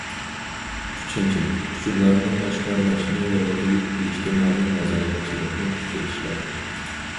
ئۈچىنچى، ئۇچۇرلارنى ئاشكارىلاشنى يولغا قويۇپ، ئىجتىمائىي نازارەتچىلىكنى كۈچەيتىش لازىم.